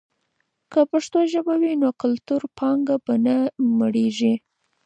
که پښتو ژبه وي، نو کلتوري پانګه به نه مړېږي.